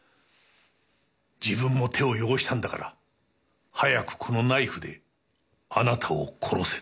自分も手を汚したんだから早くこのナイフであなたを殺せと。